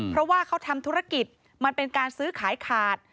เพราะว่าเขาทำธุรกิจมันเป็นการซื้อขายขาด